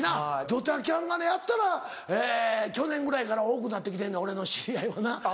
ドタキャンがねやたら去年ぐらいから多くなって来てんねん俺の知り合いはな。